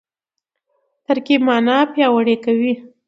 ترکیب مانا پیاوړې کوي.